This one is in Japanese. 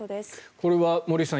これは森内さん